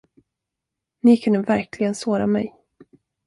Ni kunde verkligen såra mig.